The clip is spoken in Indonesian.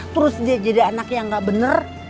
terus dia jadi anak yang gak bener